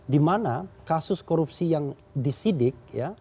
dimana kasus korupsi yang disidik